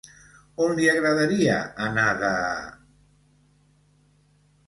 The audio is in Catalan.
On li agradaria anar de...?